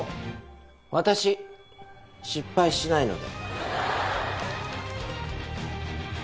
私、失敗しないので。